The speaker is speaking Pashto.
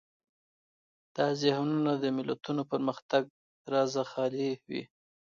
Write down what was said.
دا ذهنونه د ملتونو پرمختګ رازه خالي وي.